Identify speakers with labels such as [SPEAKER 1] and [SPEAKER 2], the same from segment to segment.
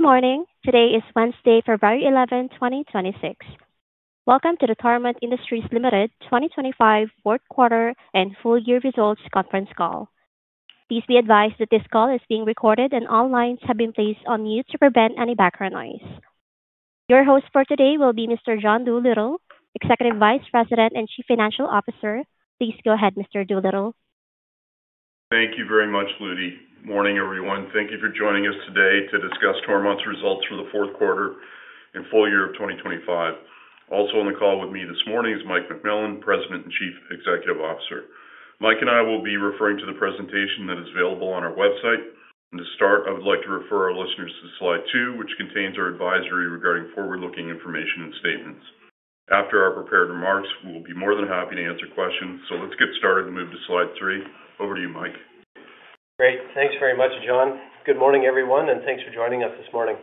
[SPEAKER 1] Good morning, today is Wednesday, February 11, 2026. Welcome to the Toromont Industries Ltd. 2025 fourth quarter and full-year results conference call. Please be advised that this call is being recorded and all lines have been placed on mute to prevent any background noise. Your host for today will be Mr. John Doolittle, Executive Vice President and Chief Financial Officer. Please go ahead, Mr. Doolittle.
[SPEAKER 2] Thank you very much, Ludy. Morning, everyone. Thank you for joining us today to discuss Toromont's results for the fourth quarter and full year of 2025. Also on the call with me this morning is Mike McMillan, President and Chief Executive Officer. Mike and I will be referring to the presentation that is available on our website. To start, I would like to refer our listeners to slide 2, which contains our advisory regarding forward-looking information and statements. After our prepared remarks, we will be more than happy to answer questions, so let's get started and move to slide 3. Over to you, Mike.
[SPEAKER 3] Great. Thanks very much, John. Good morning, everyone, and thanks for joining us this morning.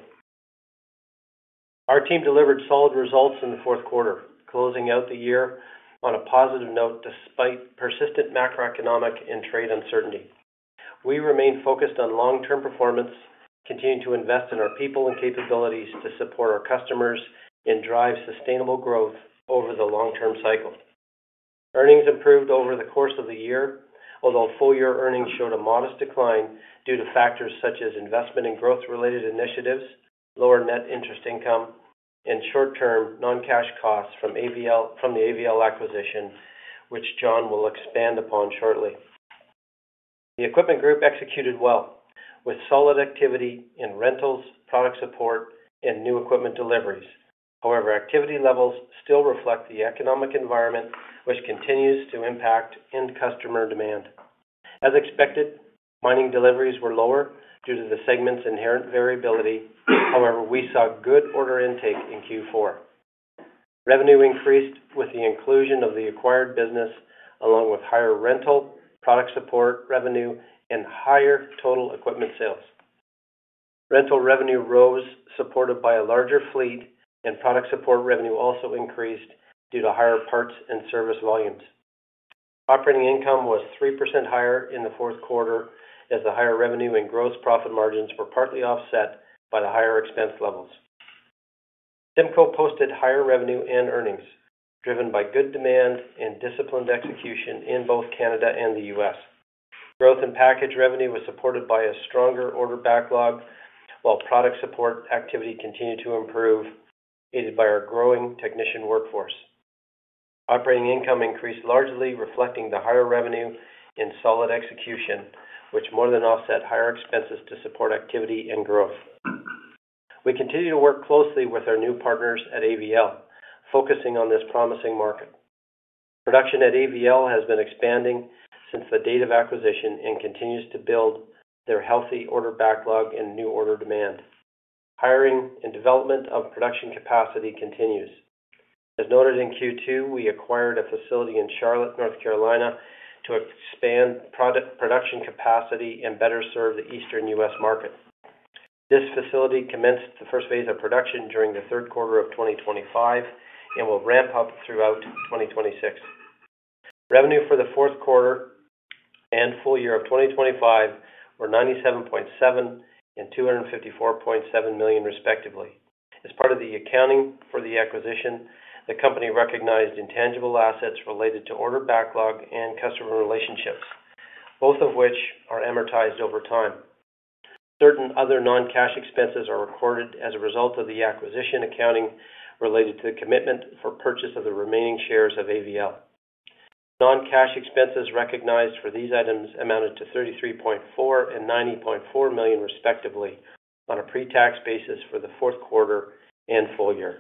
[SPEAKER 3] Our team delivered solid results in the fourth quarter, closing out the year on a positive note despite persistent macroeconomic and trade uncertainty. We remain focused on long-term performance, continuing to invest in our people and capabilities to support our customers, and drive sustainable growth over the long-term cycle. Earnings improved over the course of the year, although full-year earnings showed a modest decline due to factors such as investment in growth-related initiatives, lower net interest income, and short-term non-cash costs from the AVL acquisition, which John will expand upon shortly. The Equipment Group executed well, with solid activity in rentals, product support, and new equipment deliveries. However, activity levels still reflect the economic environment, which continues to impact end-customer demand. As expected, mining deliveries were lower due to the segment's inherent variability. However, we saw good order intake in Q4. Revenue increased with the inclusion of the acquired business, along with higher rental, product support revenue, and higher total equipment sales. Rental revenue rose, supported by a larger fleet, and product support revenue also increased due to higher parts and service volumes. Operating income was 3% higher in the fourth quarter, as the higher revenue and gross profit margins were partly offset by the higher expense levels. Cimco posted higher revenue and earnings, driven by good demand and disciplined execution in both Canada and the U.S. Growth in package revenue was supported by a stronger order backlog, while product support activity continued to improve, aided by our growing technician workforce. Operating income increased largely, reflecting the higher revenue and solid execution, which more than offset higher expenses to support activity and growth. We continue to work closely with our new partners at AVL, focusing on this promising market. Production at AVL has been expanding since the date of acquisition and continues to build their healthy order backlog and new order demand. Hiring and development of production capacity continues. As noted in Q2, we acquired a facility in Charlotte, North Carolina, to expand production capacity and better serve the Eastern US market. This facility commenced the first phase of production during the third quarter of 2025 and will ramp up throughout 2026. Revenue for the fourth quarter and full year of 2025 were 97.7 million and 254.7 million, respectively. As part of the accounting for the acquisition, the company recognized intangible assets related to order backlog and customer relationships, both of which are amortized over time. Certain other non-cash expenses are recorded as a result of the acquisition accounting related to the commitment for purchase of the remaining shares of AVL. Non-cash expenses recognized for these items amounted to 33.4 million and 90.4 million, respectively, on a pre-tax basis for the fourth quarter and full year.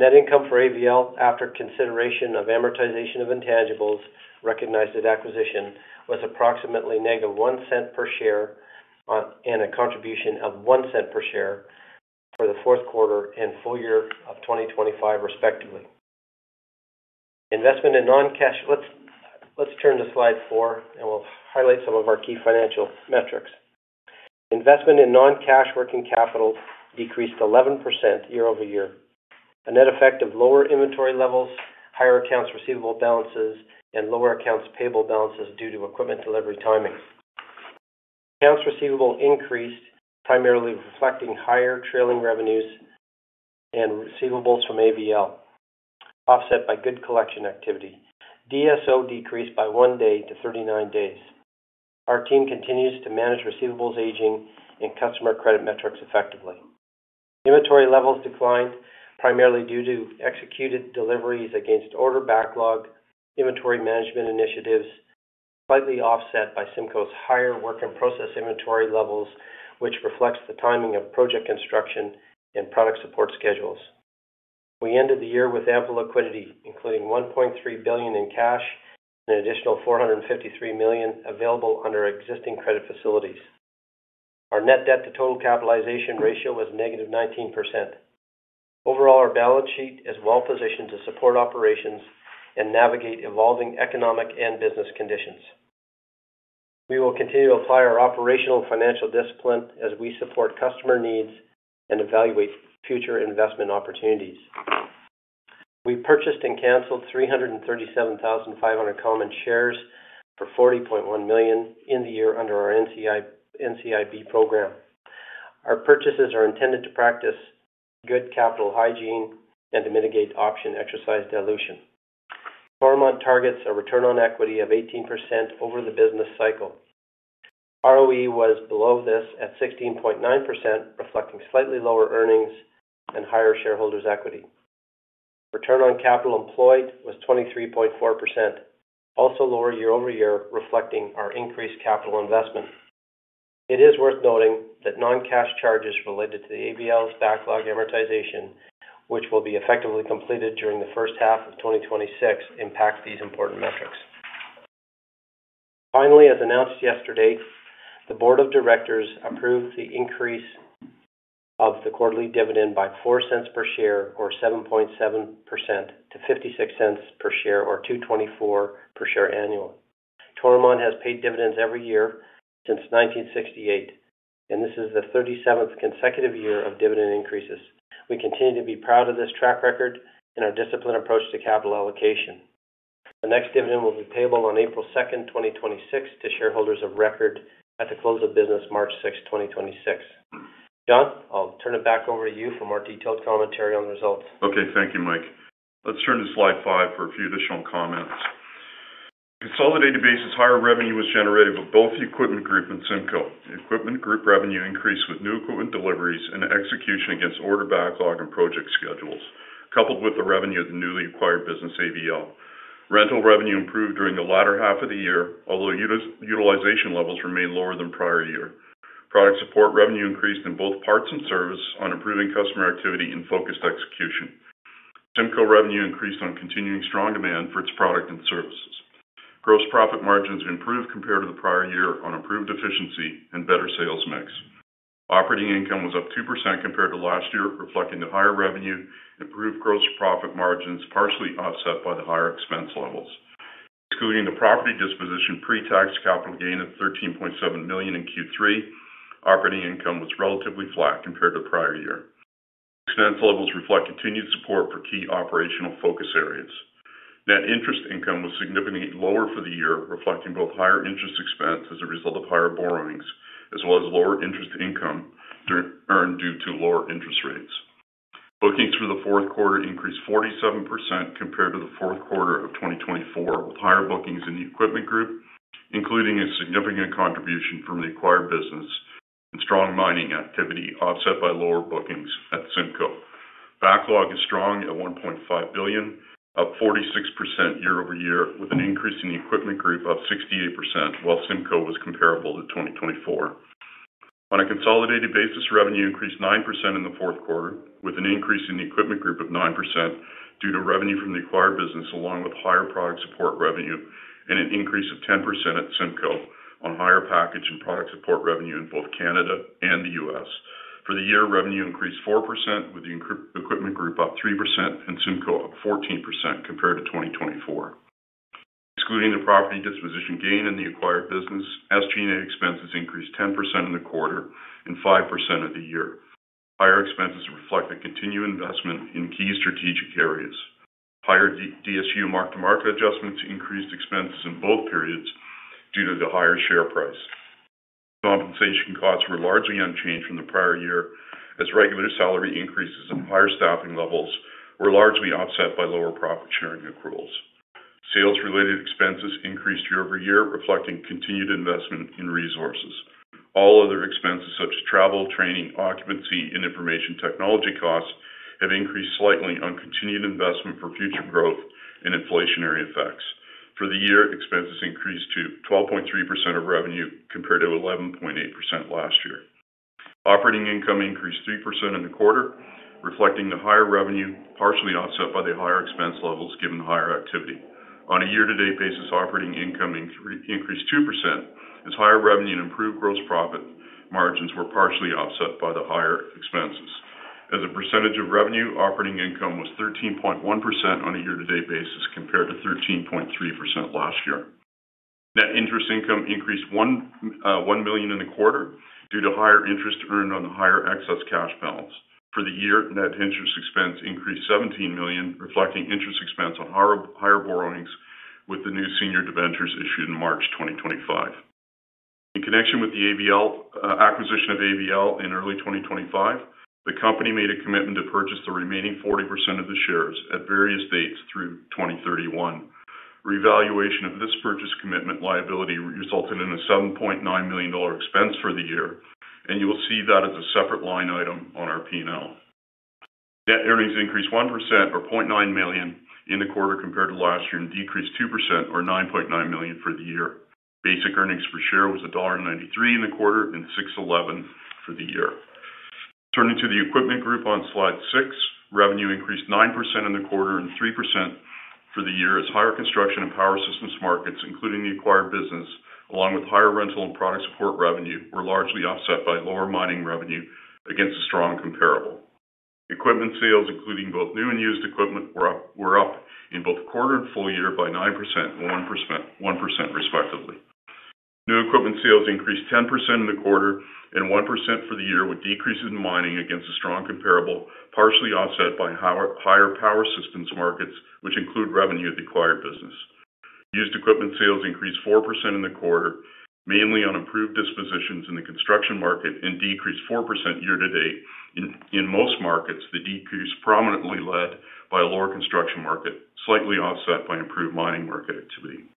[SPEAKER 3] Net income for AVL, after consideration of amortization of intangibles recognized at acquisition, was approximately negative 0.01 per share and a contribution of 0.01 per share for the fourth quarter and full year of 2025, respectively. Investment in non-cash let's turn to slide 4, and we'll highlight some of our key financial metrics. Investment in non-cash working capital decreased 11% year-over-year, a net effect of lower inventory levels, higher accounts receivable balances, and lower accounts payable balances due to equipment delivery timing. Accounts receivable increased, primarily reflecting higher trailing revenues and receivables from AVL, offset by good collection activity. DSO decreased by 1 day to 39 days. Our team continues to manage receivables aging and customer credit metrics effectively. Inventory levels declined, primarily due to executed deliveries against order backlog, inventory management initiatives, slightly offset by Cimco's higher work-in-process inventory levels, which reflects the timing of project construction and product support schedules. We ended the year with ample liquidity, including 1.3 billion in cash and an additional 453 million available under existing credit facilities. Our net debt-to-total capitalization ratio was -19%. Overall, our balance sheet is well positioned to support operations and navigate evolving economic and business conditions. We will continue to apply our operational financial discipline as we support customer needs and evaluate future investment opportunities. We purchased and canceled 337,500 common shares for 40.1 million in the year under our NCIB program. Our purchases are intended to practice good capital hygiene and to mitigate option exercise dilution. Toromont targets a return on equity of 18% over the business cycle. ROE was below this at 16.9%, reflecting slightly lower earnings and higher shareholders' equity. Return on capital employed was 23.4%, also lower year over year, reflecting our increased capital investment. It is worth noting that non-cash charges related to the AVL's backlog amortization, which will be effectively completed during the first half of 2026, impact these important metrics. Finally, as announced yesterday, the board of directors approved the increase of the quarterly dividend by 0.04 per share, or 7.7%, to 0.56 per share, or 2.24 per share annually. Toromont has paid dividends every year since 1968, and this is the 37th consecutive year of dividend increases. We continue to be proud of this track record and our disciplined approach to capital allocation. The next dividend will be payable on April 2, 2026, to shareholders of record at the close of business March 6, 2026. John, I'll turn it back over to you for more detailed commentary on the results.
[SPEAKER 2] Okay. Thank you, Mike. Let's turn to slide 5 for a few additional comments. On a consolidated basis, higher revenue was generated with both the Equipment Group and Cimco. Equipment Group revenue increased with new equipment deliveries and execution against order backlog and project schedules, coupled with the revenue of the newly acquired business AVL. Rental revenue improved during the latter half of the year, although utilization levels remained lower than prior year. Product support revenue increased in both parts and services on improving customer activity and focused execution. Cimco revenue increased on continuing strong demand for its product and services. Gross profit margins improved compared to the prior year on improved efficiency and better sales mix. Operating income was up 2% compared to last year, reflecting the higher revenue and improved gross profit margins, partially offset by the higher expense levels. Excluding the property disposition pre-tax capital gain of 13.7 million in Q3, operating income was relatively flat compared to the prior year. Expense levels reflect continued support for key operational focus areas. Net interest income was significantly lower for the year, reflecting both higher interest expense as a result of higher borrowings, as well as lower interest income earned due to lower interest rates. Bookings for the fourth quarter increased 47% compared to the fourth quarter of 2024, with higher bookings in the Equipment Group, including a significant contribution from the acquired business and strong mining activity, offset by lower bookings at Cimco. Backlog is strong at 1.5 billion, up 46% year-over-year, with an increase in the Equipment Group of 68%, while Cimco was comparable to 2024. On a consolidated basis, revenue increased 9% in the fourth quarter, with an increase in the Equipment Group of 9% due to revenue from the acquired business, along with higher product support revenue and an increase of 10% at Cimco on higher package and product support revenue in both Canada and the U.S. For the year, revenue increased 4%, with the Equipment Group up 3% and Cimco up 14% compared to 2024. Excluding the property disposition gain in the acquired business, SG&A expenses increased 10% in the quarter and 5% for the year. Higher expenses reflect a continued investment in key strategic areas. Higher DSU mark-to-market adjustments increased expenses in both periods due to the higher share price. Compensation costs were largely unchanged from the prior year, as regular salary increases and higher staffing levels were largely offset by lower profit sharing accruals. Sales-related expenses increased year-over-year, reflecting continued investment in resources. All other expenses, such as travel, training, occupancy, and information technology costs, have increased slightly on continued investment for future growth and inflationary effects. For the year, expenses increased to 12.3% of revenue compared to 11.8% last year. Operating income increased 3% in the quarter, reflecting the higher revenue, partially offset by the higher expense levels given higher activity. On a year-to-date basis, operating income increased 2%, as higher revenue and improved gross profit margins were partially offset by the higher expenses. As a percentage of revenue, operating income was 13.1% on a year-to-date basis compared to 13.3% last year. Net interest income increased 1 million in the quarter due to higher interest earned on the higher excess cash balance. For the year, net interest expense increased 17 million, reflecting interest expense on higher borrowings with the new senior debentures issued in March 2025. In connection with the acquisition of AVL in early 2025, the company made a commitment to purchase the remaining 40% of the shares at various dates through 2031. Reevaluation of this purchase commitment liability resulted in a 7.9 million dollar expense for the year, and you'll see that as a separate line item on our P&L. Net earnings increased 1%, or 0.9 million, in the quarter compared to last year and decreased 2%, or 9.9 million, for the year. Basic earnings per share was dollar 1.93 in the quarter and 6.11 for the year. Turning to the Equipment Group on slide 6, revenue increased 9% in the quarter and 3% for the year, as higher construction and power systems markets, including the acquired business, along with higher rental and product support revenue, were largely offset by lower mining revenue against a strong comparable. Equipment sales, including both new and used equipment, were up in both quarter and full year by 9% and 1%, respectively. New equipment sales increased 10% in the quarter and 1% for the year, with decreases in mining against a strong comparable, partially offset by higher power systems markets, which include revenue of the acquired business. Used equipment sales increased 4% in the quarter, mainly on improved dispositions in the construction market, and decreased 4% year to date. In most markets, the decrease prominently led by a lower construction market, slightly offset by improved mining market activity.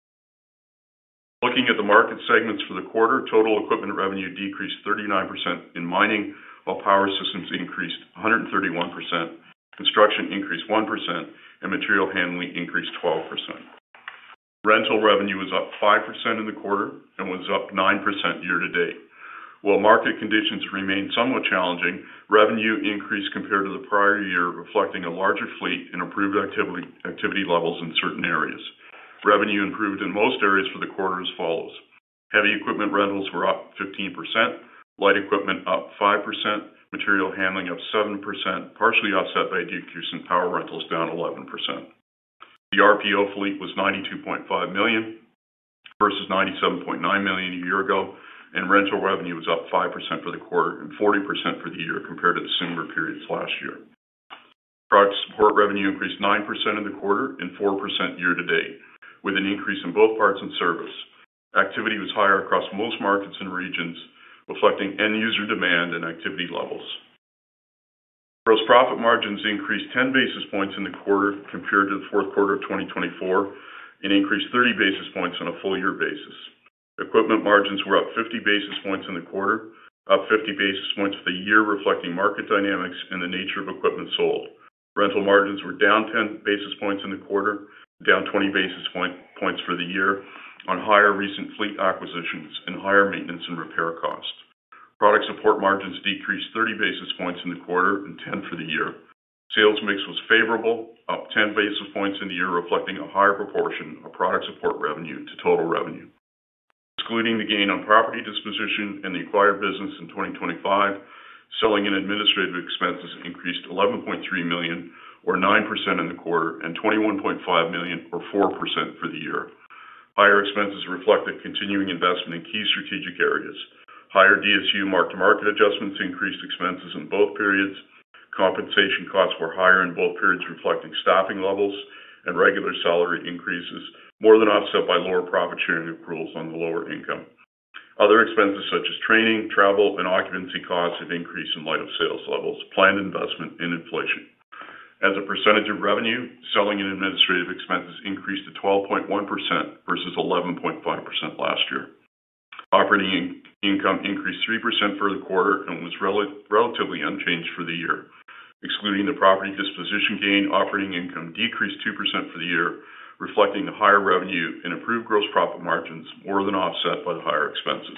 [SPEAKER 2] Looking at the market segments for the quarter, total equipment revenue decreased 39% in mining, while power systems increased 131%, construction increased 1%, and material handling increased 12%. Rental revenue was up 5% in the quarter and was up 9% year to date. While market conditions remain somewhat challenging, revenue increased compared to the prior year, reflecting a larger fleet and improved activity levels in certain areas. Revenue improved in most areas for the quarter as follows: heavy equipment rentals were up 15%, light equipment up 5%, material handling up 7%, partially offset by decrease in power rentals down 11%. The RPO fleet was 92.5 million versus 97.9 million a year ago, and rental revenue was up 5% for the quarter and 40% for the year compared to the similar periods last year. Product support revenue increased 9% in the quarter and 4% year to date, with an increase in both parts and service. Activity was higher across most markets and regions, reflecting end-user demand and activity levels. Gross profit margins increased 10 basis points in the quarter compared to the fourth quarter of 2024 and increased 30 basis points on a full year basis. Equipment margins were up 50 basis points in the quarter, up 50 basis points for the year, reflecting market dynamics and the nature of equipment sold. Rental margins were down 10 basis points in the quarter, down 20 basis points for the year, on higher recent fleet acquisitions and higher maintenance and repair costs. Product support margins decreased 30 basis points in the quarter and 10 for the year. Sales mix was favorable, up 10 basis points in the year, reflecting a higher proportion of product support revenue to total revenue. Excluding the gain on property disposition and the acquired business in 2025, selling and administrative expenses increased 11.3 million, or 9% in the quarter, and 21.5 million, or 4% for the year. Higher expenses reflect a continuing investment in key strategic areas. Higher DSU mark-to-market adjustments increased expenses in both periods. Compensation costs were higher in both periods, reflecting staffing levels and regular salary increases, more than offset by lower profit sharing accruals on the lower income. Other expenses, such as training, travel, and occupancy costs, have increased in light of sales levels, planned investment, and inflation. As a percentage of revenue, selling and administrative expenses increased to 12.1% versus 11.5% last year. Operating income increased 3% for the quarter and was relatively unchanged for the year. Excluding the property disposition gain, operating income decreased 2% for the year, reflecting the higher revenue and improved gross profit margins, more than offset by the higher expenses.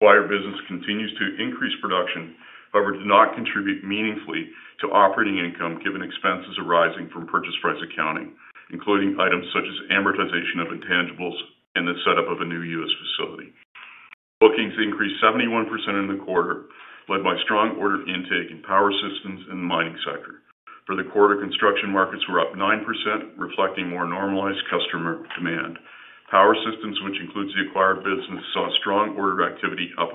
[SPEAKER 2] Acquired business continues to increase production, however, did not contribute meaningfully to operating income given expenses arising from purchase price accounting, including items such as amortization of intangibles and the setup of a new U.S. facility. Bookings increased 71% in the quarter, led by strong order intake in power systems and the mining sector. For the quarter, construction markets were up 9%, reflecting more normalized customer demand. Power systems, which includes the acquired business, saw strong order activity up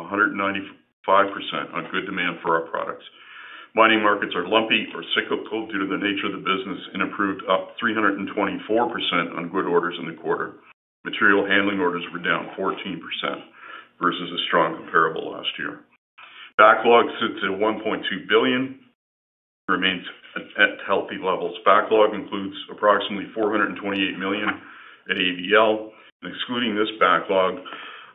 [SPEAKER 2] 195% on good demand for our products. Mining markets are lumpy or cyclical due to the nature of the business and improved up 324% on good orders in the quarter. Material handling orders were down 14% versus a strong comparable last year. Backlog sits at 1.2 billion and remains at healthy levels. Backlog includes approximately 428 million at AVL.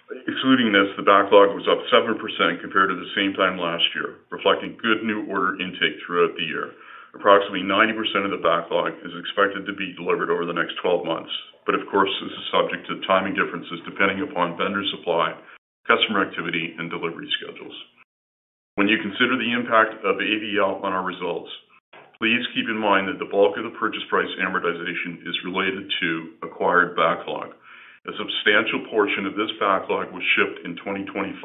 [SPEAKER 2] Excluding this, the backlog was up 7% compared to the same time last year, reflecting good new order intake throughout the year. Approximately 90% of the backlog is expected to be delivered over the next 12 months, but of course, this is subject to timing differences depending upon vendor supply, customer activity, and delivery schedules. When you consider the impact of AVL on our results, please keep in mind that the bulk of the purchase price amortization is related to acquired backlog. A substantial portion of this backlog was shipped in 2025,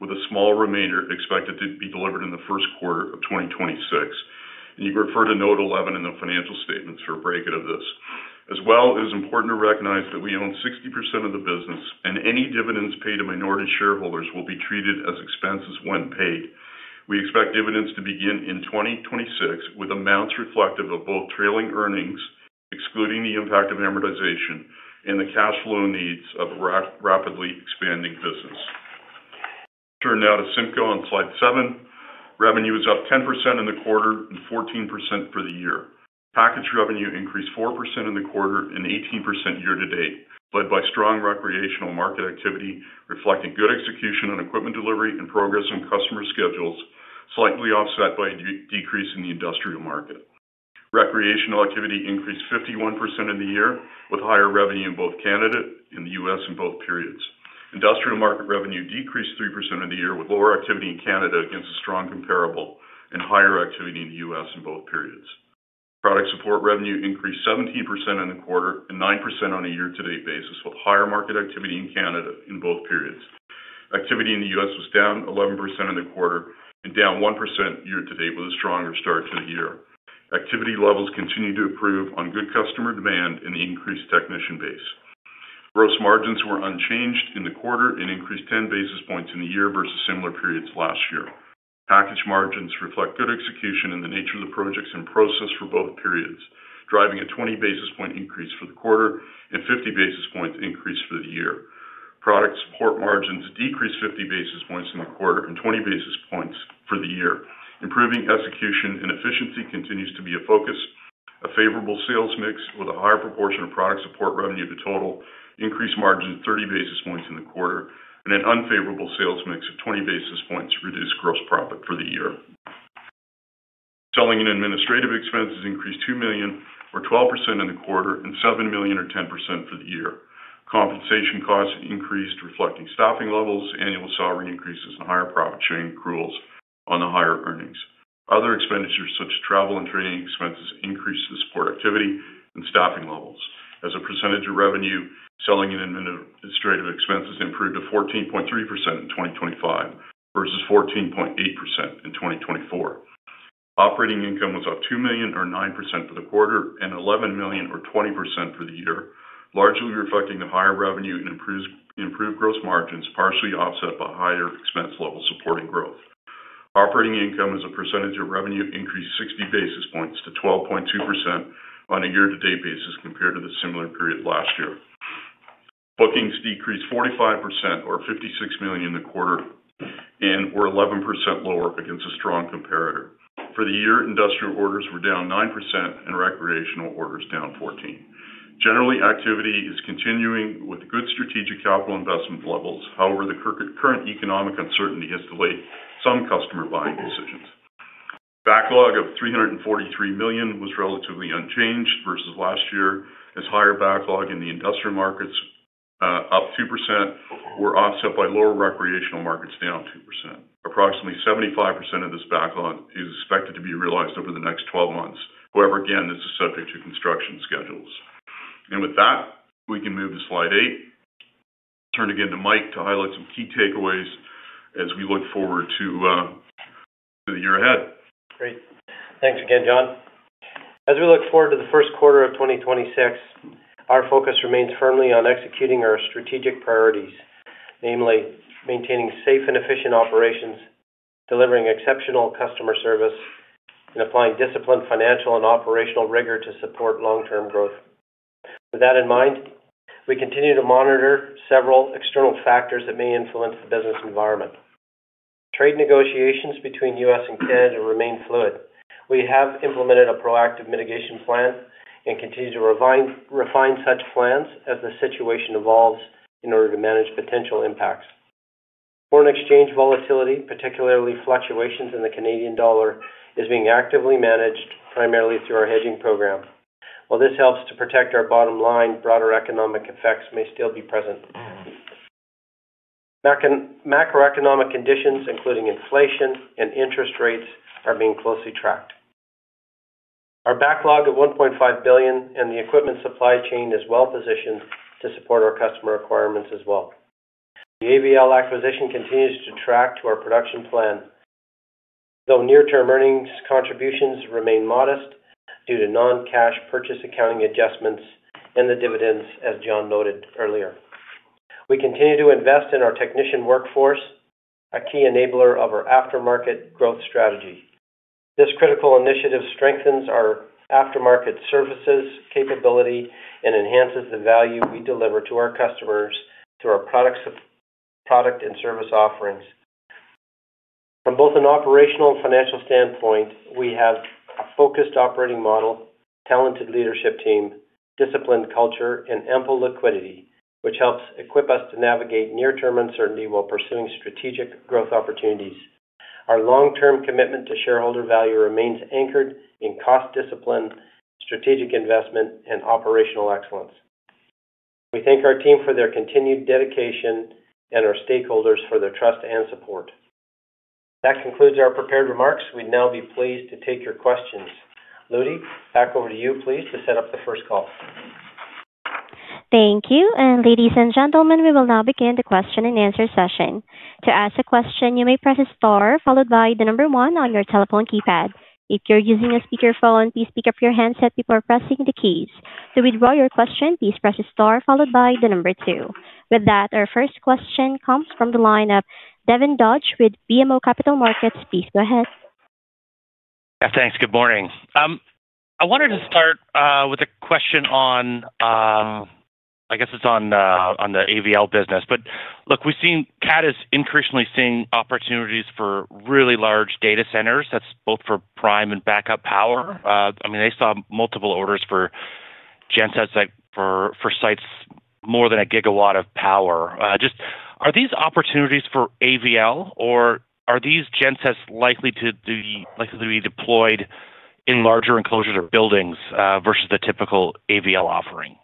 [SPEAKER 2] with a small remainder expected to be delivered in the first quarter of 2026, and you can refer to note 11 in the financial statements for a breakdown of this. As well, it is important to recognize that we own 60% of the business, and any dividends paid to minority shareholders will be treated as expenses when paid. We expect dividends to begin in 2026 with amounts reflective of both trailing earnings, excluding the impact of amortization, and the cash flow needs of a rapidly expanding business. Turning now to Cimco on slide 7, revenue is up 10% in the quarter and 14% for the year. Package revenue increased 4% in the quarter and 18% year to date, led by strong recreational market activity, reflecting good execution on equipment delivery and progress on customer schedules, slightly offset by a decrease in the industrial market. Recreational activity increased 51% in the year, with higher revenue in both Canada and the US in both periods. Industrial market revenue decreased 3% in the year, with lower activity in Canada against a strong comparable and higher activity in the US in both periods. Product support revenue increased 17% in the quarter and 9% on a year-to-date basis, with higher market activity in Canada in both periods. Activity in the US was down 11% in the quarter and down 1% year-to-date, with a stronger start to the year. Activity levels continue to improve on good customer demand and the increased technician base. Gross margins were unchanged in the quarter and increased 10 basis points in the year versus similar periods last year. Package margins reflect good execution and the nature of the projects and process for both periods, driving a 20 basis point increase for the quarter and 50 basis points increase for the year. Product support margins decreased 50 basis points in the quarter and 20 basis points for the year. Improving execution and efficiency continues to be a focus. A favorable sales mix with a higher proportion of product support revenue to total increased margins 30 basis points in the quarter, and an unfavorable sales mix of 20 basis points reduced gross profit for the year. Selling and administrative expenses increased 2 million, or 12% in the quarter, and 7 million, or 10% for the year. Compensation costs increased, reflecting staffing levels, annual salary increases, and higher profit sharing accruals on the higher earnings. Other expenditures, such as travel and training expenses, increased the support activity and staffing levels. As a percentage of revenue, selling and administrative expenses improved to 14.3% in 2025 versus 14.8% in 2024. Operating income was up 2 million, or 9% for the quarter, and 11 million, or 20% for the year, largely reflecting the higher revenue and improved gross margins, partially offset by higher expense levels supporting growth. Operating income, as a percentage of revenue, increased 60 basis points to 12.2% on a year-to-date basis compared to the similar period last year. Bookings decreased 45%, or 56 million in the quarter, and were 11% lower against a strong comparator. For the year, industrial orders were down 9% and recreational orders down 14%. Generally, activity is continuing with good strategic capital investment levels. However, the current economic uncertainty has delayed some customer buying decisions. Backlog of 343 million was relatively unchanged versus last year, as higher backlog in the industrial markets, up 2%, were offset by lower recreational markets down 2%. Approximately 75% of this backlog is expected to be realized over the next 12 months. However, again, this is subject to construction schedules. With that, we can move to slide 8. Turn again to Mike to highlight some key takeaways as we look forward to the year ahead.
[SPEAKER 3] Great. Thanks again, John. As we look forward to the first quarter of 2026, our focus remains firmly on executing our strategic priorities, namely maintaining safe and efficient operations, delivering exceptional customer service, and applying disciplined financial and operational rigor to support long-term growth. With that in mind, we continue to monitor several external factors that may influence the business environment. Trade negotiations between U.S. and Canada remain fluid. We have implemented a proactive mitigation plan and continue to refine such plans as the situation evolves in order to manage potential impacts. Foreign exchange volatility, particularly fluctuations in the Canadian dollar, is being actively managed primarily through our hedging program. While this helps to protect our bottom line, broader economic effects may still be present. Macroeconomic conditions, including inflation and interest rates, are being closely tracked. Our backlog of 1.5 billion and the equipment supply chain is well positioned to support our customer requirements as well. The AVL acquisition continues to track to our production plan, though near-term earnings contributions remain modest due to non-cash purchase accounting adjustments and the dividends, as John noted earlier. We continue to invest in our technician workforce, a key enabler of our aftermarket growth strategy. This critical initiative strengthens our aftermarket services capability and enhances the value we deliver to our customers through our product and service offerings. From both an operational and financial standpoint, we have a focused operating model, talented leadership team, disciplined culture, and ample liquidity, which helps equip us to navigate near-term uncertainty while pursuing strategic growth opportunities. Our long-term commitment to shareholder value remains anchored in cost discipline, strategic investment, and operational excellence. We thank our team for their continued dedication and our stakeholders for their trust and support. That concludes our prepared remarks. We'd now be pleased to take your questions. Ludy, back over to you, please, to set up the first call.
[SPEAKER 1] Thank you. Ladies and gentlemen, we will now begin the question-and-answer session. To ask a question, you may press a star followed by the number 1 on your telephone keypad. If you're using a speakerphone, please pick up your handset before pressing the keys. To withdraw your question, please press a star followed by the number 2. With that, our first question comes from the lineup. Devin Dodge with BMO Capital Markets, please go ahead.
[SPEAKER 4] Thanks. Good morning. I wanted to start with a question on I guess it's on the AVL business. But look, we've seen CAT is increasingly seeing opportunities for really large data centers. That's both for prime and backup power. I mean, they saw multiple orders for gensets for sites more than a gigawatt of power. Are these opportunities for AVL, or are these gensets likely to be deployed in larger enclosures or buildings versus the typical AVL offering?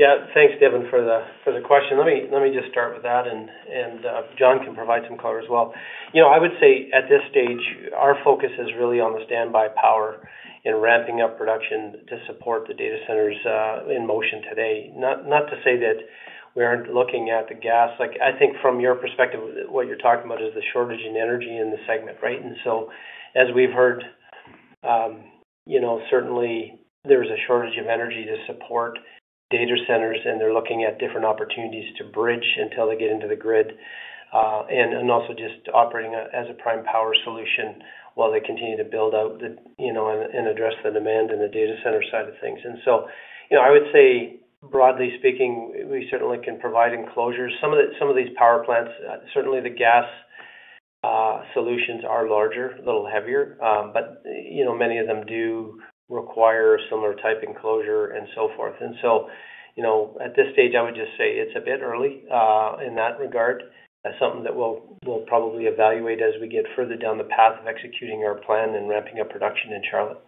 [SPEAKER 3] Yeah. Thanks, Devin, for the question. Let me just start with that. And John can provide some color as well. I would say, at this stage, our focus is really on the standby power and ramping up production to support the data centers in motion today. Not to say that we aren't looking at the gas. I think, from your perspective, what you're talking about is the shortage in energy in the segment, right? And so, as we've heard, certainly, there is a shortage of energy to support data centers, and they're looking at different opportunities to bridge until they get into the grid and also just operating as a prime power solution while they continue to build out and address the demand and the data center side of things. And so, I would say, broadly speaking, we certainly can provide enclosures. Some of these power plants, certainly, the gas solutions are larger, a little heavier, but many of them do require a similar type enclosure and so forth. And so, at this stage, I would just say it's a bit early in that regard. That's something that we'll probably evaluate as we get further down the path of executing our plan and ramping up production in Charlotte.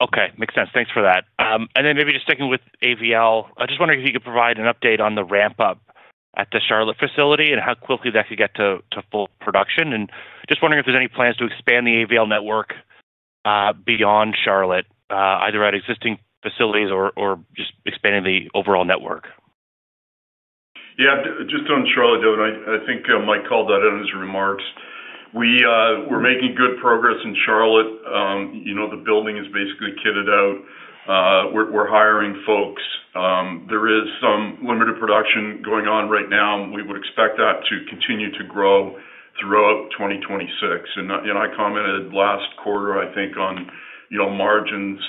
[SPEAKER 4] Okay. Makes sense. Thanks for that. And then maybe just sticking with AVL, I just wondering if you could provide an update on the ramp-up at the Charlotte facility and how quickly that could get to full production. And just wondering if there's any plans to expand the AVL network beyond Charlotte, either at existing facilities or just expanding the overall network.
[SPEAKER 2] Yeah. Just on Charlotte, Devin, I think Mike called that out in his remarks. We're making good progress in Charlotte. The building is basically kitted out. We're hiring folks. There is some limited production going on right now, and we would expect that to continue to grow throughout 2026. And I commented last quarter, I think, on margins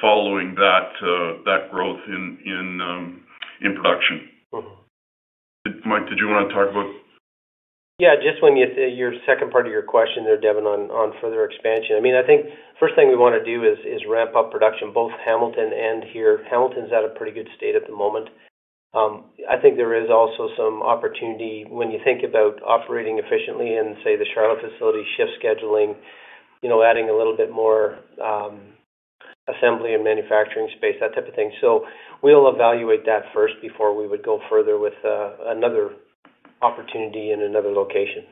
[SPEAKER 2] following that growth in production. Mike, did you want to talk about?
[SPEAKER 3] Yeah. Just when you say your second part of your question there, Devin, on further expansion. I mean, I think the first thing we want to do is ramp up production, both Hamilton and here. Hamilton's at a pretty good state at the moment. I think there is also some opportunity when you think about operating efficiently and, say, the Charlotte facility, shift scheduling, adding a little bit more assembly and manufacturing space, that type of thing. So we'll evaluate that first before we would go further with another opportunity in another location.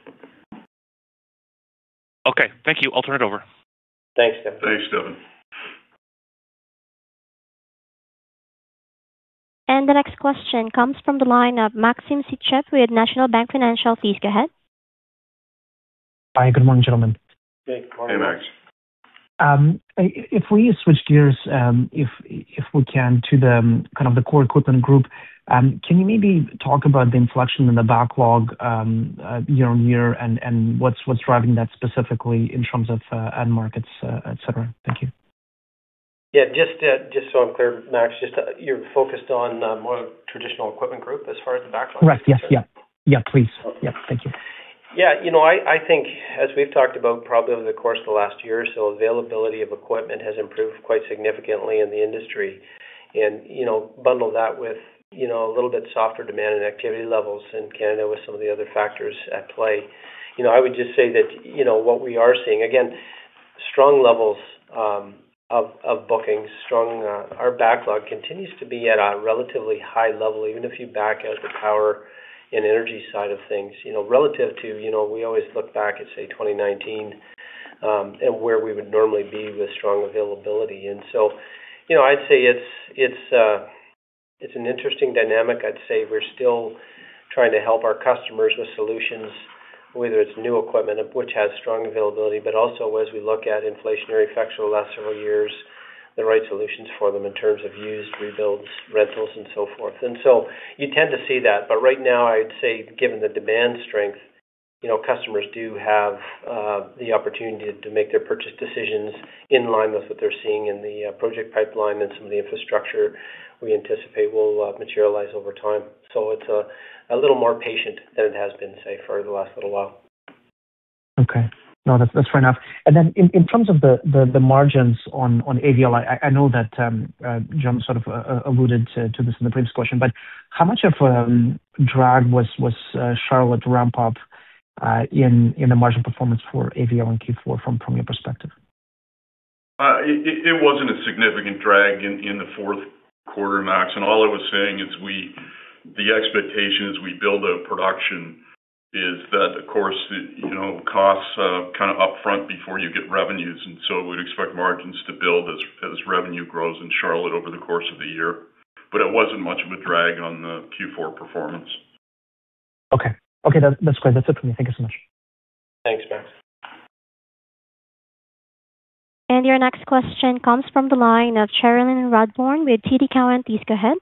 [SPEAKER 4] Okay. Thank you. I'll turn it over. Thanks, Devin.
[SPEAKER 1] Thanks, Devin. And the next question comes from the lineup. Maxim Sytchev with National Bank Financial. Please go ahead.
[SPEAKER 5] Hi. Good morning, gentlemen. Hey. Morning. Hey, Max. If we switch gears, if we can, to kind of the core equipment group, can you maybe talk about the inflection in the backlog year-on-year and what's driving that specifically in terms of end markets, etc.?
[SPEAKER 3] Thank you. Yeah. Just so I'm clear, Max, you're focused on more traditional equipment group as far as the backlog?
[SPEAKER 5] Correct. Yes. Yeah. Yeah, please. Yeah. Thank you.
[SPEAKER 3] Yeah. I think, as we've talked about probably over the course of the last year or so, availability of equipment has improved quite significantly in the industry. And bundle that with a little bit softer demand and activity levels in Canada with some of the other factors at play, I would just say that what we are seeing again, strong levels of bookings, strong. Our backlog continues to be at a relatively high level, even if you back out the power and energy side of things, relative to we always look back at, say, 2019 and where we would normally be with strong availability. And so I'd say it's an interesting dynamic. I'd say we're still trying to help our customers with solutions, whether it's new equipment, which has strong availability, but also as we look at inflationary effects over the last several years, the right solutions for them in terms of used, rebuilds, rentals, and so forth. And so you tend to see that. But right now, I'd say, given the demand strength, customers do have the opportunity to make their purchase decisions in line with what they're seeing in the project pipeline and some of the infrastructure we anticipate will materialize over time. So it's a little more patient than it has been, say, for the last little while.
[SPEAKER 5] Okay. No, that's fair enough. And then in terms of the margins on AVL, I know that John sort of alluded to this in the previous question. But how much of a drag was Charlotte ramp-up in the margin performance for AVL in Q4 from your perspective?
[SPEAKER 3] It wasn't a significant drag in the fourth quarter, Max. And all I was saying is the expectation as we build up production is that, of course, costs kind of upfront before you get revenues. And so we'd expect margins to build as revenue grows in Charlotte over the course of the year. But it wasn't much of a drag on the Q4 performance.
[SPEAKER 5] Okay. Okay. That's great. That's it from me. Thank you so much.
[SPEAKER 3] Thanks, Max.
[SPEAKER 1] Your next question comes from the line of Cherilyn Radbourne with TD Cowen. Please go ahead.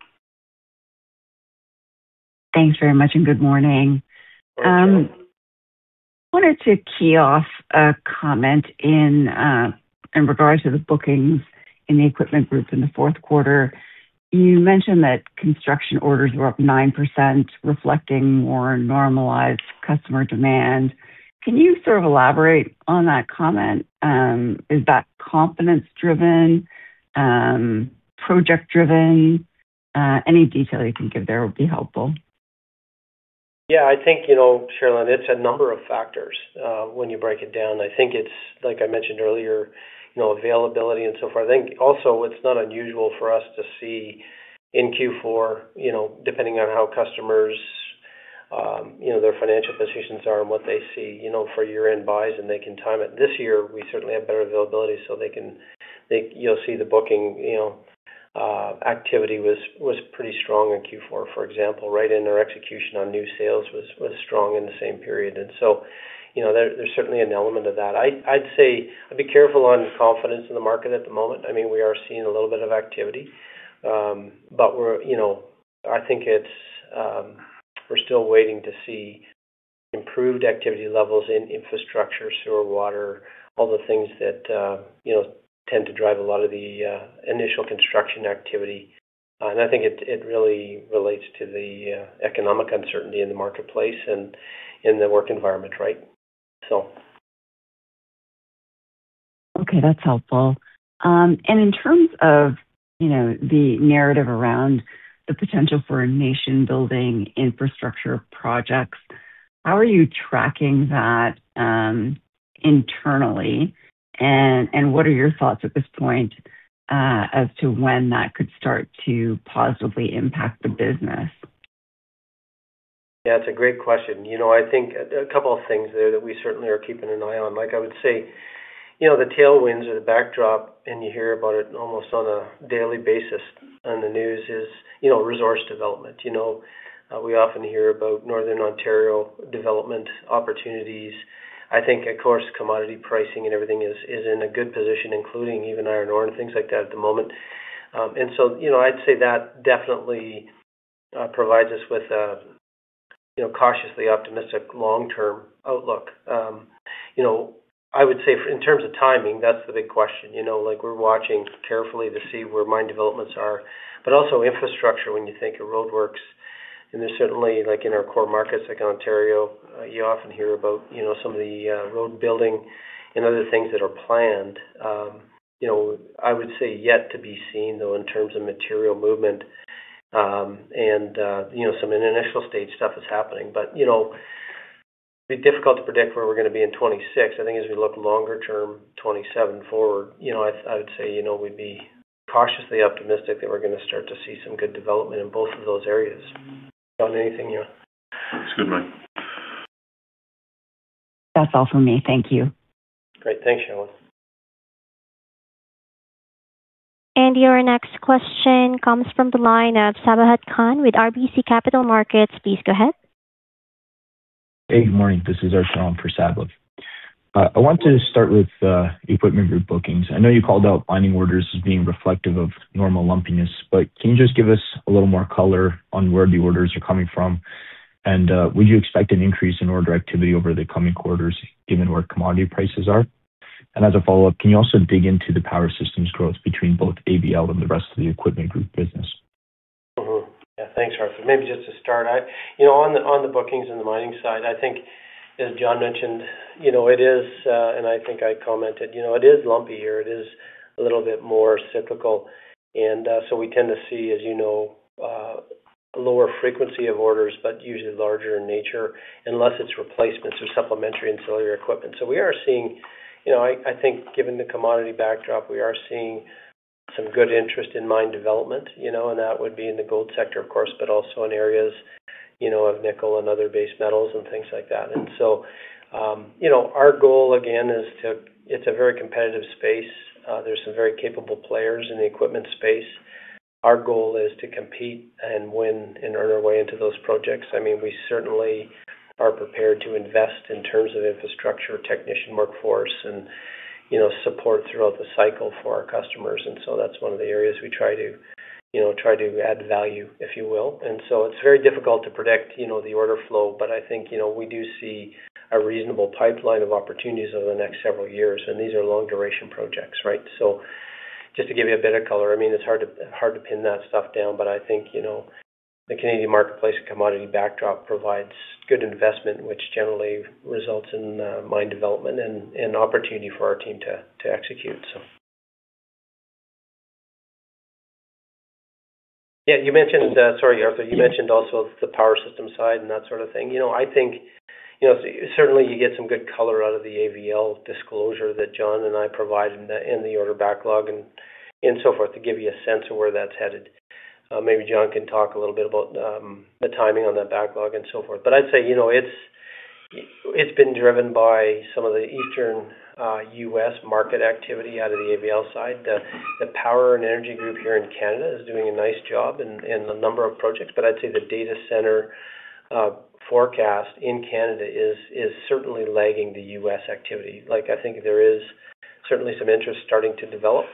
[SPEAKER 6] Thanks very much and good morning. I wanted to key off a comment in regard to the bookings in the equipment group in the fourth quarter. You mentioned that construction orders were up 9%, reflecting more normalized customer demand. Can you sort of elaborate on that comment? Is that confidence-driven, project-driven? Any detail you can give there would be helpful.
[SPEAKER 3] Yeah. I think, Cherilyn, it's a number of factors when you break it down. I think it's, like I mentioned earlier, availability and so forth. I think, also, it's not unusual for us to see in Q4, depending on how customers, their financial positions are, and what they see for year-end buys, and they can time it. This year, we certainly have better availability, so you'll see the booking activity was pretty strong in Q4, for example. Right in, our execution on new sales was strong in the same period. And so there's certainly an element of that. I'd say I'd be careful on confidence in the market at the moment. I mean, we are seeing a little bit of activity. But I think we're still waiting to see improved activity levels in infrastructure, sewer, water, all the things that tend to drive a lot of the initial construction activity. And I think it really relates to the economic uncertainty in the marketplace and in the work environment, right, so.
[SPEAKER 6] Okay. That's helpful. And in terms of the narrative around the potential for nation-building infrastructure projects, how are you tracking that internally? What are your thoughts at this point as to when that could start to positively impact the business? Yeah. It's a great question. I think a couple of things there that we certainly are keeping an eye on. I would say the tailwinds or the backdrop, and you hear about it almost on a daily basis on the news, is resource development. We often hear about Northern Ontario development opportunities. I think, of course, commodity pricing and everything is in a good position, including even iron ore and things like that, at the moment. And so I'd say that definitely provides us with a cautiously optimistic long-term outlook. I would say, in terms of timing, that's the big question. We're watching carefully to see where mine developments are. But also, infrastructure, when you think of roadworks, and there's certainly in our core markets like Ontario, you often hear about some of the road building and other things that are planned. I would say yet to be seen, though, in terms of material movement. And some initial-stage stuff is happening. But it'd be difficult to predict where we're going to be in 2026. I think as we look longer-term, 2027 forward, I would say we'd be cautiously optimistic that we're going to start to see some good development in both of those areas. On anything here. That's good, Mike. That's all from me. Thank you. Great.
[SPEAKER 1] Thanks, Cherilyn. And your next question comes from the line of Sabahat Khan with RBC Capital Markets. Please go ahead.
[SPEAKER 7] Hey. Good morning. This is Arshia for Sabahat. I want to start with Equipment Group bookings. I know you called out mining orders as being reflective of normal lumpiness, but can you just give us a little more color on where the orders are coming from? And would you expect an increase in order activity over the coming quarters given where commodity prices are? And as a follow-up, can you also dig into the power systems growth between both AVL and the rest of the equipment group business?
[SPEAKER 3] Yeah. Thanks, Arshia. Maybe just to start, on the bookings and the mining side, I think, as John mentioned, it is and I think I commented, it is lumpy here. It is a little bit more cyclical. And so we tend to see, as you know, a lower frequency of orders but usually larger in nature unless it's replacements or supplementary ancillary equipment. So we are seeing, I think, given the commodity backdrop, some good interest in mine development. And that would be in the gold sector, of course, but also in areas of nickel and other base metals and things like that. And so our goal, again, is to. It's a very competitive space. There's some very capable players in the equipment space. Our goal is to compete and win and earn our way into those projects. I mean, we certainly are prepared to invest in terms of infrastructure, technician workforce, and support throughout the cycle for our customers. And so that's one of the areas we try to add value, if you will. And so it's very difficult to predict the order flow, but I think we do see a reasonable pipeline of opportunities over the next several years.
[SPEAKER 7] And these are long-duration projects, right?
[SPEAKER 3] So just to give you a bit of color, I mean, it's hard to pin that stuff down, but I think the Canadian marketplace and commodity backdrop provides good investment, which generally results in mine development and opportunity for our team to execute, so. Yeah. Sorry, Arthur. You mentioned also the power system side and that sort of thing. I think, certainly, you get some good color out of the AVL disclosure that John and I provided in the order backlog and so forth to give you a sense of where that's headed. Maybe John can talk a little bit about the timing on that backlog and so forth. But I'd say it's been driven by some of the Eastern U.S. market activity out of the AVL side. The power and energy group here in Canada is doing a nice job in a number of projects. But I'd say the data center forecast in Canada is certainly lagging the U.S. activity. I think there is certainly some interest starting to develop,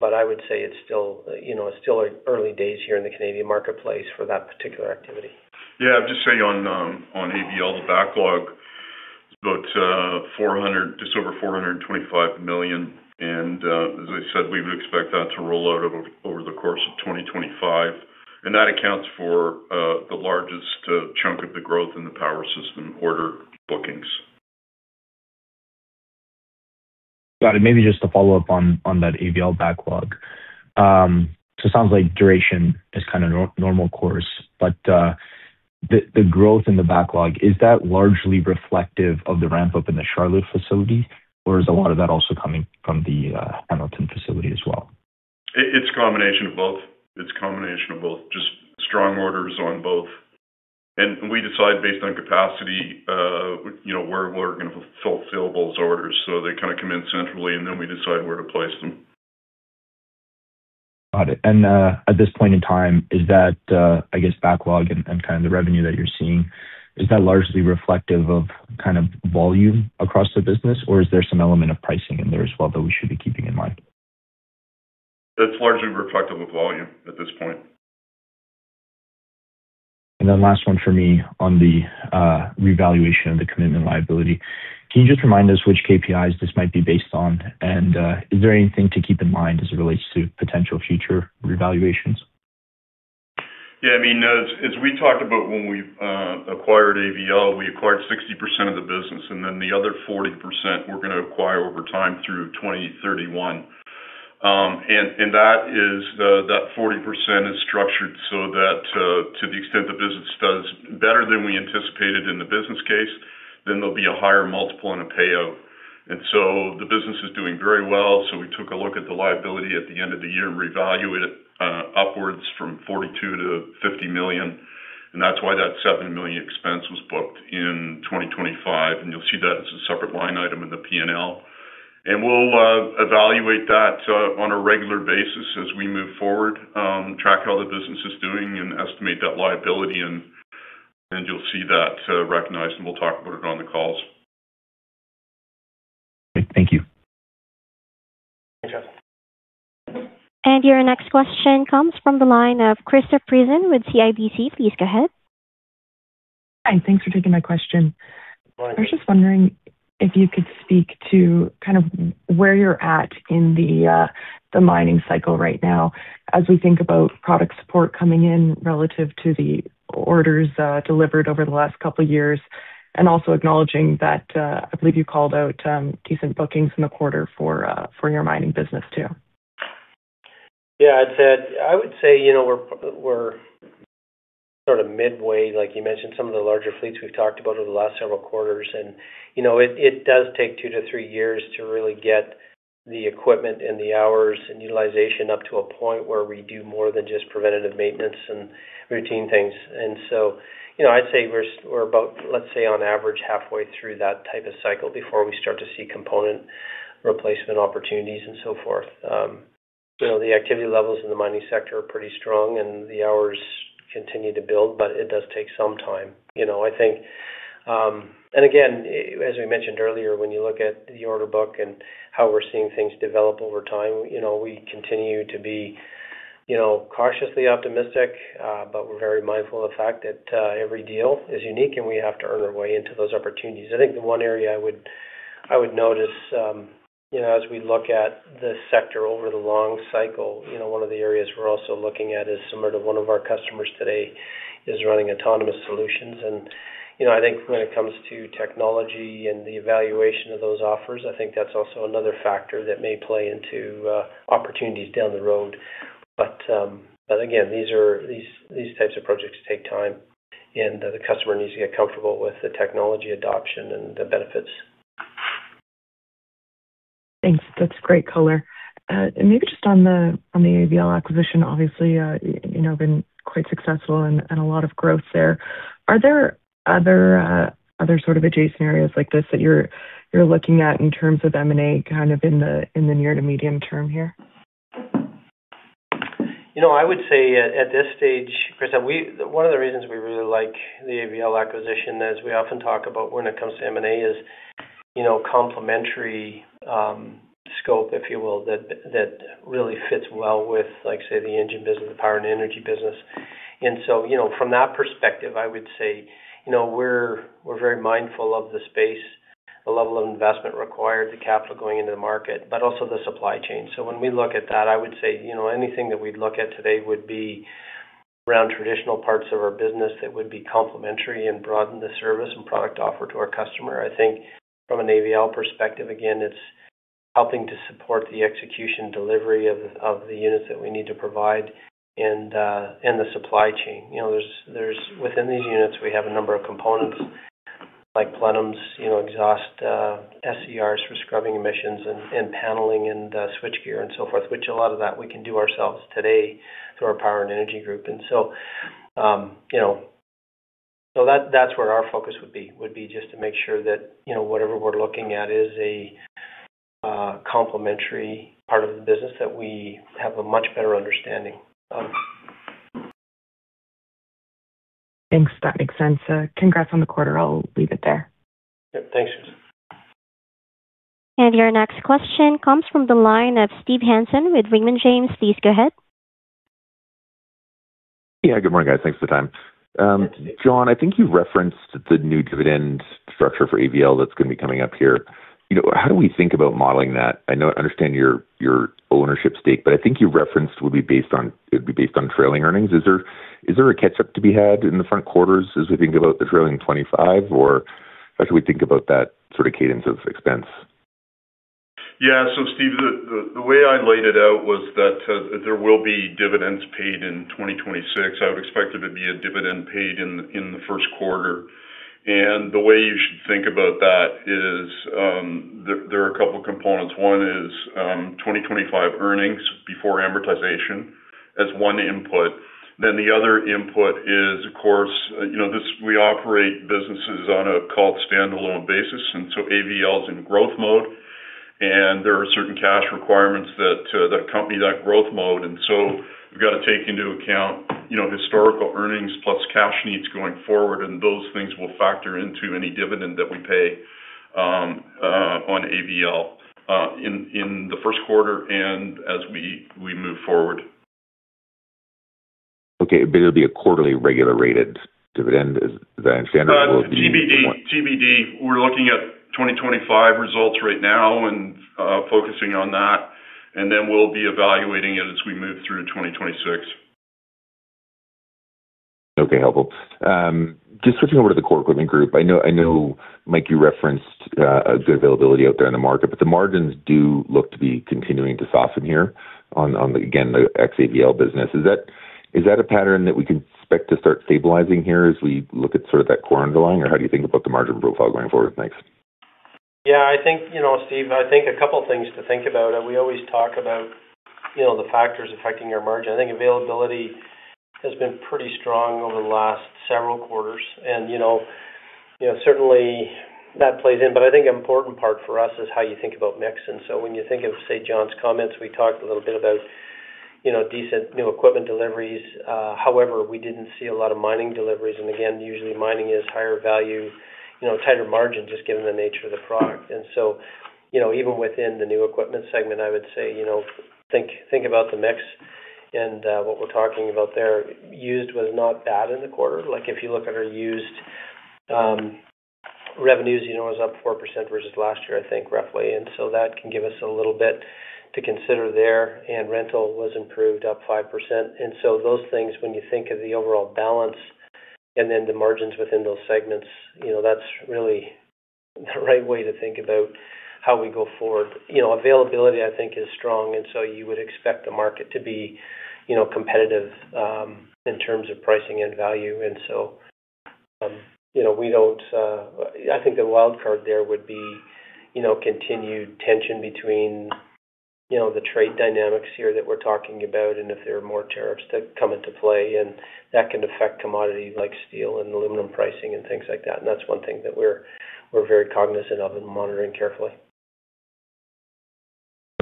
[SPEAKER 3] but I would say it's still early days here in the Canadian marketplace for that particular activity. Yeah. I'd just say on AVL, the backlog is about just over 425 million. And as I said, we would expect that to roll out over the course of 2025. And that accounts for the largest chunk of the growth in the power system order bookings.
[SPEAKER 7] Got it. Maybe just to follow up on that AVL backlog. So it sounds like duration is kind of normal course, but the growth in the backlog, is that largely reflective of the ramp-up in the Charlotte facility, or is a lot of that also coming from the Hamilton facility as well?
[SPEAKER 3] It's a combination of both. It's a combination of both, just strong orders on both. And we decide based on capacity where we're going to fulfill those orders. So they kind of come in centrally, and then we decide where to place them.
[SPEAKER 7] Got it. And at this point in time, I guess, backlog and kind of the revenue that you're seeing, is that largely reflective of kind of volume across the business, or is there some element of pricing in there as well that we should be keeping in mind? That's largely reflective of volume at this point. And then last one for me on the revaluation of the commitment liability. Can you just remind us which KPIs this might be based on? And is there anything to keep in mind as it relates to potential future revaluations? Yeah.
[SPEAKER 2] I mean, as we talked about when we acquired AVL, we acquired 60% of the business. And then the other 40%, we're going to acquire over time through 2031. And that 40% is structured so that to the extent the business does better than we anticipated in the business case, then there'll be a higher multiple and a payout. And so the business is doing very well. So we took a look at the liability at the end of the year and revaluated it upwards from 42 million to 50 million. And that's why that 7 million expense was booked in 2025. And you'll see that as a separate line item in the P&L. And we'll evaluate that on a regular basis as we move forward, track how the business is doing, and estimate that liability. And you'll see that recognized. And we'll talk about it on the calls.
[SPEAKER 7] Great.
[SPEAKER 1] Thank you. Thanks, Arthur. And your next question comes from the line of Krista Friesen with CIBC. Please go ahead.
[SPEAKER 8] Hi. Thanks for taking my question. I was just wondering if you could speak to kind of where you're at in the mining cycle right now as we think about product support coming in relative to the orders delivered over the last couple of years and also acknowledging that I believe you called out decent bookings in the quarter for your mining business too.
[SPEAKER 3] Yeah. I would say we're sort of midway. Like you mentioned, some of the larger fleets we've talked about over the last several quarters. And it does take 2-3 years to really get the equipment and the hours and utilization up to a point where we do more than just preventative maintenance and routine things. I'd say we're about, let's say, on average, halfway through that type of cycle before we start to see component replacement opportunities and so forth. The activity levels in the mining sector are pretty strong, and the hours continue to build, but it does take some time, I think. Again, as we mentioned earlier, when you look at the order book and how we're seeing things develop over time, we continue to be cautiously optimistic, but we're very mindful of the fact that every deal is unique, and we have to earn our way into those opportunities. I think the one area I would notice as we look at the sector over the long cycle, one of the areas we're also looking at is similar to one of our customers today is running autonomous solutions. And I think when it comes to technology and the evaluation of those offers, I think that's also another factor that may play into opportunities down the road. But again, these types of projects take time, and the customer needs to get comfortable with the technology adoption and the benefits.
[SPEAKER 8] Thanks. That's great color. And maybe just on the AVL acquisition, obviously, you've been quite successful and a lot of growth there. Are there other sort of adjacent areas like this that you're looking at in terms of M&A kind of in the near to medium term here?
[SPEAKER 3] I would say at this stage, Krista, one of the reasons we really like the AVL acquisition, as we often talk about when it comes to M&A, is complementary scope, if you will, that really fits well with, say, the engine business, the power and energy business. And so from that perspective, I would say we're very mindful of the space, the level of investment required, the capital going into the market, but also the supply chain. So when we look at that, I would say anything that we'd look at today would be around traditional parts of our business that would be complementary and broaden the service and product offer to our customer. I think from an AVL perspective, again, it's helping to support the execution delivery of the units that we need to provide and the supply chain. Within these units, we have a number of components like plenums, exhaust SCRs for scrubbing emissions, and paneling and switchgear and so forth, which a lot of that we can do ourselves today through our power and energy group. And so that's where our focus would be, would be just to make sure that whatever we're looking at is a complementary part of the business that we have a much better understanding of.
[SPEAKER 8] Thanks for the color. Congrats on the quarter. I'll leave it there.
[SPEAKER 1] Yep. Thanks, Krista. And your next question comes from the line of Steve Hansen with Raymond James. Please go ahead. Yeah. Good morning, guys. Thanks for the time. John, I think you referenced the new dividend structure for AVL that's going to be coming up here. How do we think about modeling that? I understand your ownership stake, but I think you referenced would be based on it'd be based on trailing earnings. Is there a catch-up to be had in the front quarters as we think about the trailing 2025, or how should we think about that sort of cadence of expense?
[SPEAKER 3] Yeah. So Steve, the way I laid it out was that there will be dividends paid in 2026. I would expect there to be a dividend paid in the first quarter. And the way you should think about that is there are a couple of components. One is 2025 earnings before amortization as one input. Then the other input is, of course, we operate businesses on a call it standalone basis. And so AVL is in growth mode, and there are certain cash requirements that accompany that growth mode. And so we've got to take into account historical earnings plus cash needs going forward. And those things will factor into any dividend that we pay on AVL in the first quarter and as we move forward.
[SPEAKER 9] Okay. But it'll be a quarterly regular dividend, is that what I understand, or will it be?
[SPEAKER 3] TBD. We're looking at 2025 results right now and focusing on that. And then we'll be evaluating it as we move through 2026.
[SPEAKER 9] Okay. Helpful. Just switching over to the core equipment group, I know, Mike, you referenced good availability out there in the market, but the margins do look to be continuing to soften here on, again, the ex-AVL business. Is that a pattern that we can expect to start stabilizing here as we look at sort of that core underlying, or how do you think about the margin profile going forward? Thanks.
[SPEAKER 3] Yeah. Steve, I think a couple of things to think about. We always talk about the factors affecting your margin. I think availability has been pretty strong over the last several quarters. And certainly, that plays in. But I think an important part for us is how you think about mix. When you think of, say, John's comments, we talked a little bit about decent new equipment deliveries. However, we didn't see a lot of mining deliveries. Again, usually, mining is higher value, tighter margin, just given the nature of the product. So even within the new equipment segment, I would say think about the mix and what we're talking about there. Used was not bad in the quarter. If you look at our used revenues, it was up 4% versus last year, I think, roughly. So that can give us a little bit to consider there. Rental was improved, up 5%. So those things, when you think of the overall balance and then the margins within those segments, that's really the right way to think about how we go forward. Availability, I think, is strong. And so you would expect the market to be competitive in terms of pricing and value. And so we don't, I think the wild card there would be continued tension between the trade dynamics here that we're talking about and if there are more tariffs that come into play. And that can affect commodities like steel and aluminum pricing and things like that. And that's one thing that we're very cognizant of and monitoring carefully.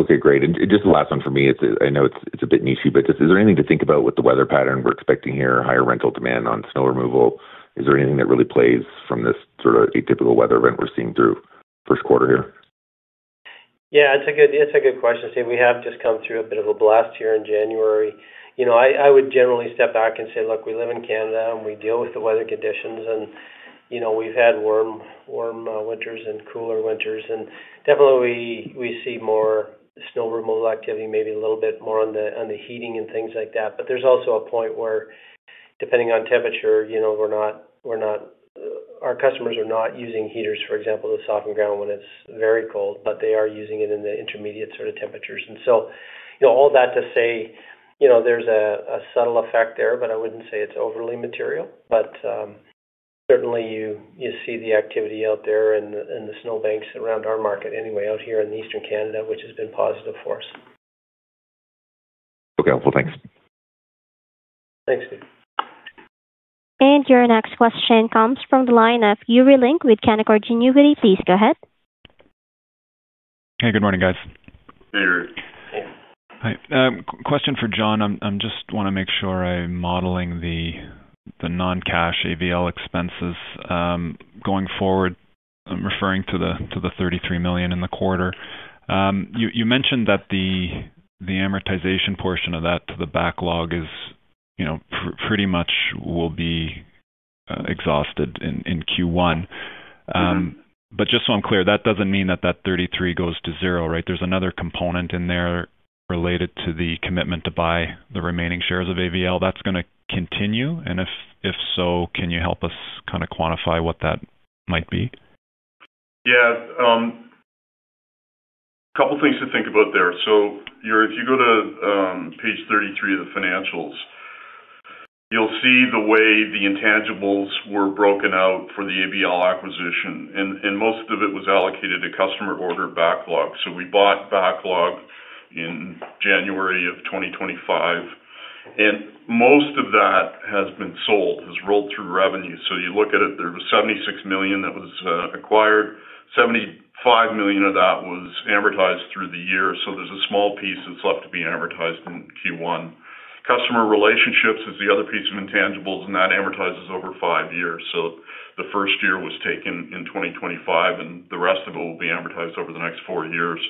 [SPEAKER 9] Okay. Great. And just the last one for me. I know it's a bit niche, but just is there anything to think about with the weather pattern we're expecting here, higher rental demand on snow removal? Is there anything that really plays from this sort of atypical weather event we're seeing through first quarter here?
[SPEAKER 3] Yeah. It's a good question, Steve. We have just come through a bit of a blast here in January. I would generally step back and say, "Look, we live in Canada, and we deal with the weather conditions. And we've had warm winters and cooler winters. And definitely, we see more snow removal activity, maybe a little bit more on the heating and things like that. But there's also a point where, depending on temperature, we're not our customers are not using heaters, for example, to soften ground when it's very cold, but they are using it in the intermediate sort of temperatures." And so all that to say there's a subtle effect there, but I wouldn't say it's overly material. But certainly, you see the activity out there in the snow banks around our market anyway out here in eastern Canada, which has been positive for us.
[SPEAKER 9] Okay. Helpful. Thanks.
[SPEAKER 1] Thanks, Steve. Your next question comes from the line of Yuri Lynk with Canaccord Genuity. Please go ahead.
[SPEAKER 10] Hey. Good morning, guys. Hey, Eric. Hey. Hi. Question for John. I just want to make sure I'm modeling the non-cash AVL expenses going forward, referring to the 33 million in the quarter. You mentioned that the amortization portion of that to the backlog pretty much will be exhausted in Q1. But just so I'm clear, that doesn't mean that that 33 million goes to zero, right? There's another component in there related to the commitment to buy the remaining shares of AVL. That's going to continue? And if so, can you help us kind of quantify what that might be?
[SPEAKER 2] Yeah. A couple of things to think about there. So if you go to page 33 of the financials, you'll see the way the intangibles were broken out for the AVL acquisition. And most of it was allocated to customer order backlog. So we bought backlog in January of 2025. And most of that has been sold, has rolled through revenue. So you look at it, there was 76 million that was acquired. 75 million of that was amortized through the year. So there's a small piece that's left to be amortized in Q1. Customer relationships is the other piece of intangibles, and that amortizes over five years. So the first year was taken in 2025, and the rest of it will be amortized over the next four years.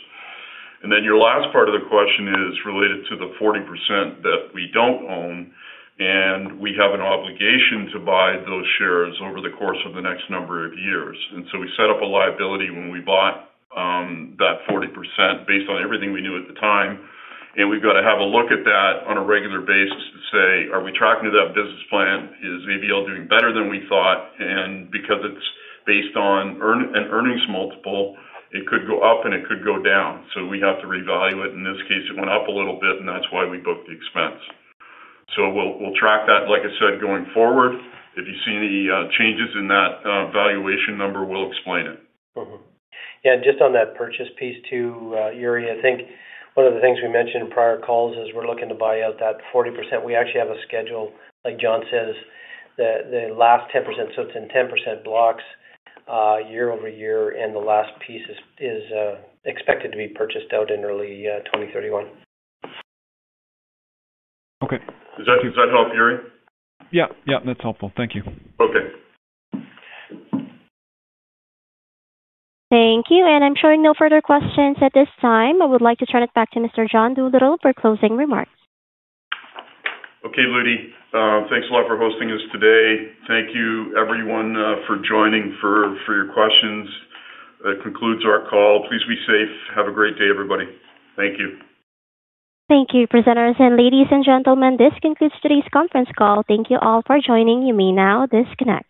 [SPEAKER 2] And then your last part of the question is related to the 40% that we don't own, and we have an obligation to buy those shares over the course of the next number of years. And so we set up a liability when we bought that 40% based on everything we knew at the time. And we've got to have a look at that on a regular basis to say, "Are we tracking to that business plan? Is AVL doing better than we thought?" And because it's based on an earnings multiple, it could go up, and it could go down. So we have to reevaluate. In this case, it went up a little bit, and that's why we booked the expense. So we'll track that, like I said, going forward. If you see any changes in that valuation number, we'll explain it. Yeah. And just on that purchase piece too, Yuri, I think one of the things we mentioned in prior calls is we're looking to buy out that 40%. We actually have a schedule, like John says, the last 10%. So it's in 10% blocks year-over-year, and the last piece is expected to be purchased out in early 2031. Okay. Does that help, Yuri?
[SPEAKER 10] Yeah. Yeah. That's helpful. Thank you.
[SPEAKER 1] Okay. Thank you. I'm showing no further questions at this time. I would like to turn it back to Mr. John Doolittle for closing remarks.
[SPEAKER 2] Okay, Ludy. Thanks a lot for hosting us today. Thank you, everyone, for joining for your questions. That concludes our call. Please be safe. Have a great day, everybody. Thank you.
[SPEAKER 1] Thank you, presenters. Ladies and gentlemen, this concludes today's conference call. Thank you all for joining. You may now disconnect.